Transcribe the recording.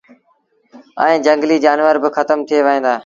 ائيٚݩ جھنگليٚ جآنور با کتم ٿئي وهيݩ دآ۔